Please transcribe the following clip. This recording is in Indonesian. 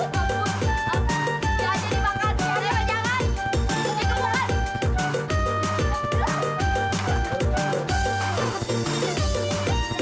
eh bang iman aku pasti gak jadi mampi